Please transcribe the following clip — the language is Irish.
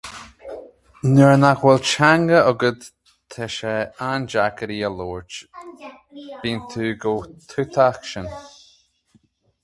Nuair nach bhfuil teanga agat, tá sé andeacair í a labhairt, bíonn tú chomh tútach sin.